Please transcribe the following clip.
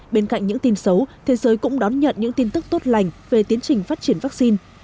bên cạnh những tin xấu thế giới cũng đón nhận những tin tức tốt lành về tiến trình phát triển vaccine